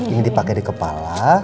ini dipake di kepala